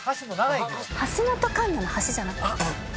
橋本環奈の橋じゃない？